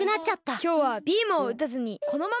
きょうはビームをうたずにこのまま。